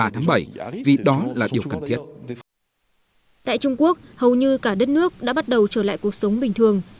tại trung quốc hầu như cả đất nước đã bắt đầu trở lại cuộc sống bình thường